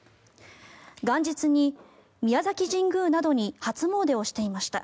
元日に宮崎神宮などに初詣をしていました。